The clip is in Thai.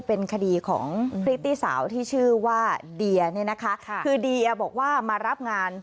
เป็นคดีของพริตตี้สาวที่ชื่อว่าเดียเนี่ยนะคะคือเดียบอกว่ามารับงาน